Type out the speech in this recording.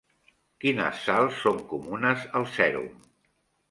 Quines sals són comunes al sèrum?